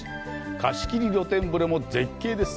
貸し切り露天風呂も絶景です。